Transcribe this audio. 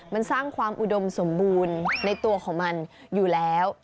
มันสร้างความอุดมสมบูรณ์ในตัวของมันอยู่แล้ว